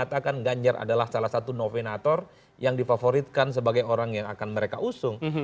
jauh jauh hari mengatakan ganjar adalah salah satu novenator yang difavoritkan sebagai orang yang akan mereka usung